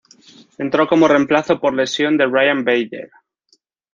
Entró como reemplazo por lesión de Ryan Bader.